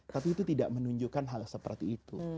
tapi itu tidak menunjukkan hal seperti itu